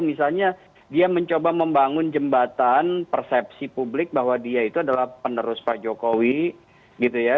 misalnya dia mencoba membangun jembatan persepsi publik bahwa dia itu adalah penerus pak jokowi gitu ya